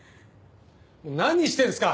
何してるんですか！？